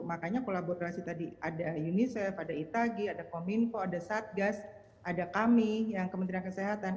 makanya kolaborasi tadi ada unicef ada itagi ada kominfo ada satgas ada kami yang kementerian kesehatan